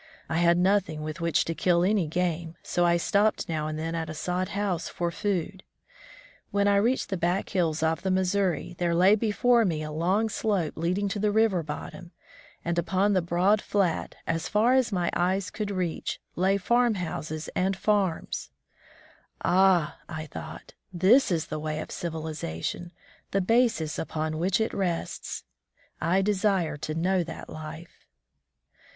I had nothing with which to kill any game, so I stopped now and then at a sod house for food. When I reached the back hills of the Missouri, there lay before me a long slope leading to the river bottom, and upon the broad flat, as far as my eyes could reach, lay farm houses and 89 Prom the Deep Woods to Civilization farms. Ah! I thought, this is the way of civilization, the basis upon which it rests! I desired to know that life.